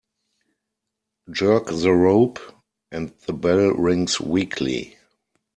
Jerk the rope and the bell rings weakly.